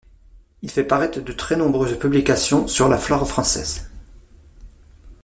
Il fait paraître de très nombreuses publications sur la flore française.